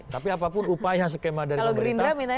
tapi apapun upaya skema dari pemerintah